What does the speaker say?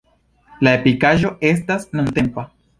La ekipaĵo estas nuntempa.